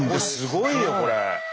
すごいよこれ。